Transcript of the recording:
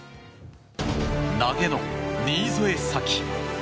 投げの新添左季。